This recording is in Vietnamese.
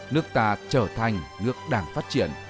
nước ta trở thành nước đảng phát triển